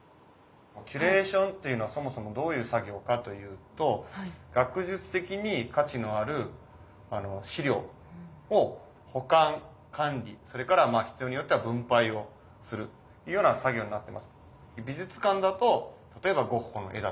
キュレーションというのはそもそもどういう作業かというと学術的に価値のある資料を保管管理それから必要によっては分配をするというような作業になってます。